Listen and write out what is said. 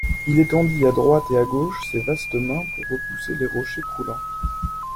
Il étendit à droite et à gauche ses vastes mains pour repousser les rochers croulants.